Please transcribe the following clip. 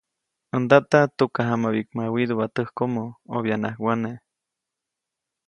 ‒ʼäj ndata tukajamabiʼkma widuʼpa täjkomo, obyaʼnaʼajk wane-.